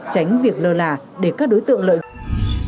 tránh việc lơ là để các đối tượng lợi dụng